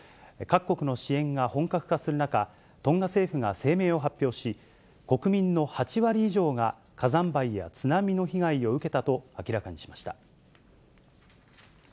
各国の支援が本格化する中、トンガ政府が声明を発表し、国民の８割以上が火山灰や津波の被害を受けたと明らかにしました。